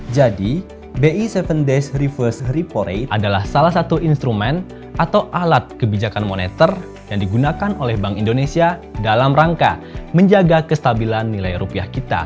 jadi bi tujuh dash reverse repo rate adalah salah satu instrumen atau alat kebijakan moneter yang digunakan oleh bank indonesia dalam rangka menjaga kestabilan nilai rupiah kita